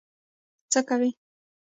څه کوي.